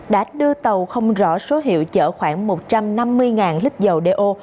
đã đưa tàu không rõ số hiệu chở khoảng một trăm năm mươi lít dầu do